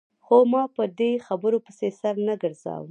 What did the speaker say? خو ما په دې خبرو پسې سر نه ګرځاوه.